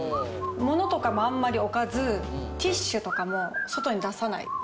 ものとかもあんまり置かず、ティッシュとかも外に出さない。